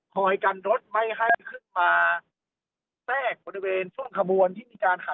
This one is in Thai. กินดอนเมืองในช่วงเวลาประมาณ๑๐นาฬิกานะครับ